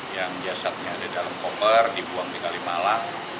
yang jasadnya ada dalam koper dibuang di kalimalang